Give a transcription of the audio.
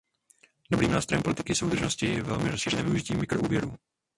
Dobrým nástrojem politiky soudržnosti je velmi rozšířené využití mikroúvěrů.